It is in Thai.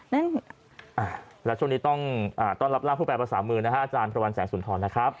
และช่วงนี้ต้องต้อนรับรับผู้แปลประสามือนะครับอาจารย์ประวันแสงสุนทรนะครับ